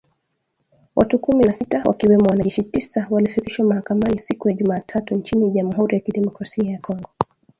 Watu kumi na sita wakiwemo wanajeshi tisa walifikishwa mahakamani siku ya Jumatatu nchini Jamhuri ya Kidemokrasia ya Kongo.